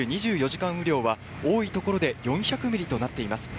２４時間雨量は、多い所で４００ミリとなっています。